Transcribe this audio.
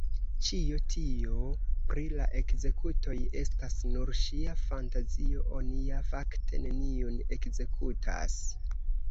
Ĉio tio pri la ekzekutoj estas nur ŝia fantazio; oni ja fakte neniun ekzekutas!